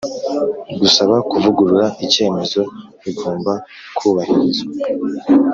Gusaba kuvugurura icyemezo bigomba kubahirizwa